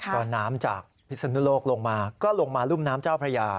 พอน้ำจากพิศนุโลกลงมาก็ลงมารุ่มน้ำเจ้าพระยา